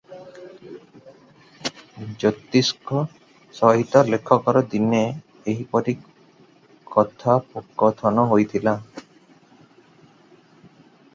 ଜ୍ୟୋତିଷଙ୍କ ସହିତ ଲେଖକର ଦିନେ ଏହିପରି କଥୋପକଥନ ହୋଇଥିଲା ।